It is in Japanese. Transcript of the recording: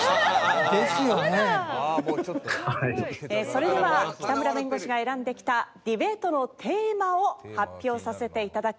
それでは北村弁護士が選んできたディベートのテーマを発表させて頂きます。